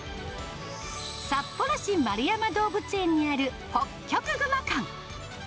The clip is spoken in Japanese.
札幌市円山動物園にあるホッキョクグマ館。